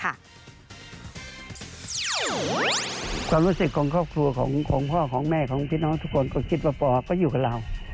ความความรู้สึกของข้อครัวของพ่อของแม่ทุกคนก็คิดว่าปอล์อยู่กับเรา